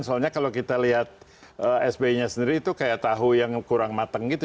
soalnya kalau kita lihat sby nya sendiri itu kayak tahu yang kurang mateng gitu